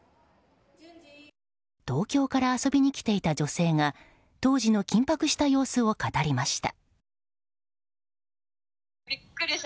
東京から遊びに来ていた女性が当時の緊迫した様子を語りました。